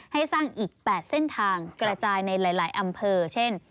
ให้สร้างอีก๘เส้นทางกระจายในหลายอำเภอเช่น